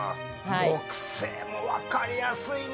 木星は分かりやすいね。